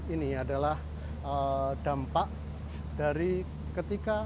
ini adalah dampak dari ketika